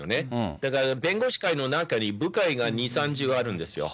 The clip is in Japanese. だから、弁護士会の中に部会が２、３０あるんですよ。